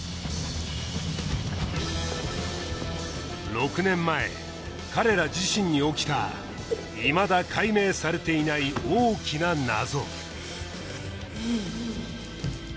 ６年前彼ら自身に起きたいまだ解明されていない大きな謎